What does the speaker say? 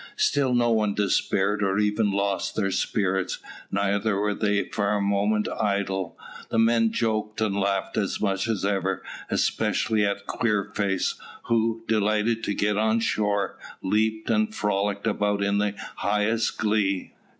Still no one despaired or even lost their spirits, neither were they for a moment idle. The men joked and laughed as much as ever, especially at Queerface, who, delighted to get on shore, leaped and frolicked about in the highest glee.